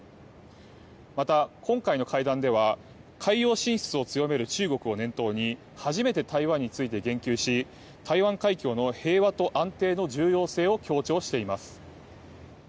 また、今回の会談では海洋進出を強める中国を念頭に初めて台湾について言及し台湾海峡の平和と安定の重要性を強調しています。